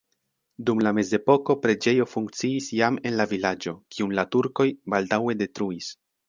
Dum la mezepoko preĝejo funkciis jam en la vilaĝo, kiun la turkoj baldaŭe detruis.